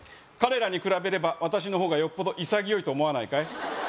彼らに比べれば私の方がよっぽど潔いと思わないかい？